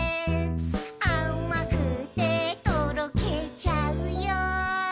「あまくてとろけちゃうよ」